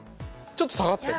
ちょっと下がった。